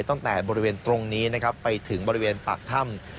บริเวณตรงนี้นะครับไปถึงบริเวณปากถ้ำ